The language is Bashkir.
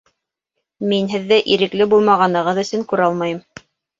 Мин һеҙҙе ирекле булмағанығыҙ өсөн күрә алмайым.